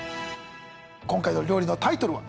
今回の料理のタイトルは？